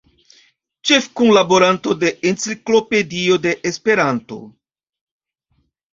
Ĉefkunlaboranto de Enciklopedio de Esperanto.